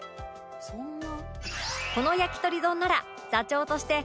「そんな？」